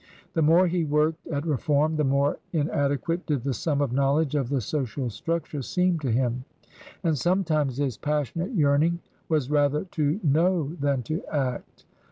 The more he worked at reform, the more inade quate did the sum of knowledge of the Social structure seem to him. And sometimes his passionate yearning was rather to know than to act.